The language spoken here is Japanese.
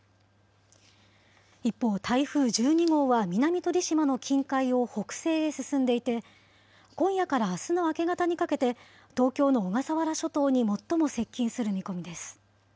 一方、台風１２号は、南鳥島の近海を北西へ進んでいて、今夜からあすの明け方にかけて、東京の小笠原諸島に最も接近する見込みです。